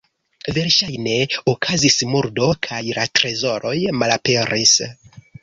Verŝajne okazis murdo kaj la trezoroj malaperis.